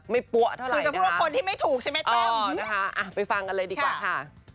ไม่ปั้วเท่าไรนะคะอ๋อนะคะไปฟังกันเลยดีกว่าค่ะค่ะ